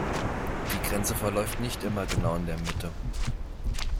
Die Grenze verläuft nicht immer genau in der Mitte.